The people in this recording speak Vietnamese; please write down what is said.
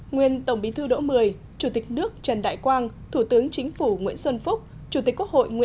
nguyên tổng bí thư đỗ mười chủ tịch nước trần đại quang thủ tướng chính phủ nguyễn xuân phúc